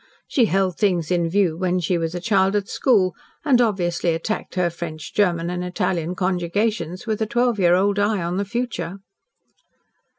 She held things in view when she was a child at school, and obviously attacked her French, German, and Italian conjugations with a twelve year old eye on the future."